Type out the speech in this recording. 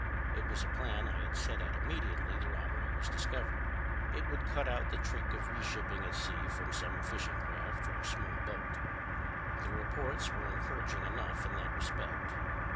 "It was a plan I had set at immediately the robbery was discovered. It would cut out the trick of reshipping at sea from some fishing craft or small boat. The reports were encouraging enough in that respect.